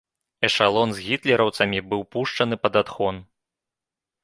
Эшалон з гітлераўцамі быў пушчаны пад адхон.